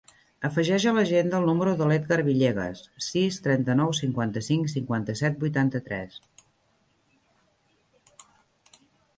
Afegeix a l'agenda el número de l'Edgar Villegas: sis, trenta-nou, cinquanta-cinc, cinquanta-set, vuitanta-tres.